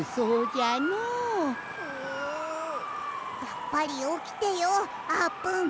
やっぱりおきてようあーぷん。